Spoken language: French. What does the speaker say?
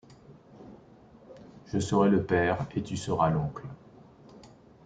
Je serai le père et tu seras l’oncle.